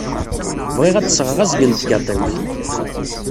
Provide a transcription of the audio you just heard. Bɣiɣ ad d-sɣeɣ azgen n tgaṭiwt.